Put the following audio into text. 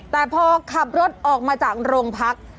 แต่พอขับรถออกมาจากโรงพัก